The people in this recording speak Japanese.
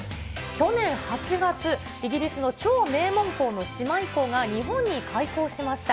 去年８月、イギリスの超名門校の姉妹校が日本に開校しました。